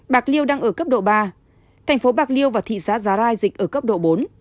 bạc liêu đang ở cấp độ ba thành phố bạc liêu và thị xã giá rai dịch ở cấp độ bốn